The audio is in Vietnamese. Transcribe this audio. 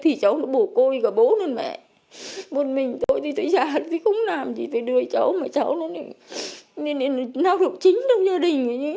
thì cháu bổ côi cả bố luôn mẹ một mình tôi thì chả làm gì tôi đưa cháu cháu nó nào được chính trong gia đình